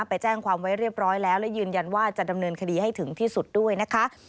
ไปแจ้งความไว้เรียบร้อยแล้วและยืนยันว่าจะดำเนินคดีให้ถึงที่สุดด้วยนะคะ